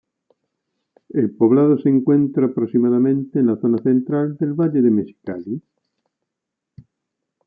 El poblado se encuentra aproximadamente en la zona central del valle de Mexicali.